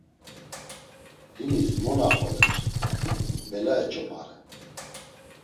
Hinis mo naxoler, bela eç̌opare.